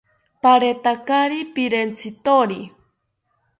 Paretakari pirentzithori